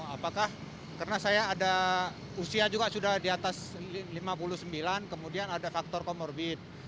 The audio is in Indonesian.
apakah karena saya ada usia juga sudah di atas lima puluh sembilan kemudian ada faktor comorbid